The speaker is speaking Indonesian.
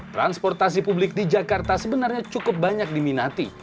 transportasi publik di jakarta sebenarnya cukup banyak diminati